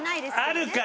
あるから！